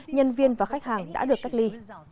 nhân viên và khách hàng đã được cách ly